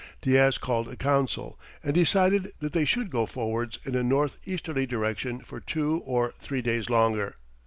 Diaz called a council, and decided that they should go forwards in a north easterly direction for two or three days longer.